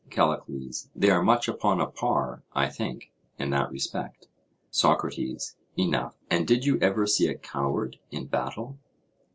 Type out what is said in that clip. CALLICLES: They are much upon a par, I think, in that respect. SOCRATES: Enough: And did you ever see a coward in battle?